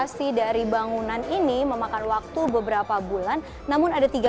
proses renovasi dari bangunan ini memakan ulang kembali ke negara amerika serikat